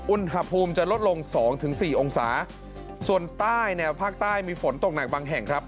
อุณหภูมิจะลดลงสองถึงสี่องศาส่วนใต้แนวภาคใต้มีฝนตกหนักบางแห่งครับ